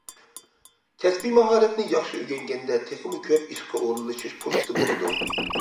كەسپىي ماھارەتنى ياخشى ئۆگەنگەندە، تېخىمۇ كۆپ ئىشقا ئورۇنلىشىش پۇرسىتى بولىدۇ.